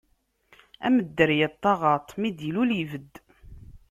Am dderya n taɣaṭ, mi d-ilul, ibedd.